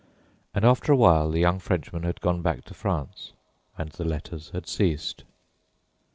And after a while the young Frenchman had gone back to France, and the letters had ceased.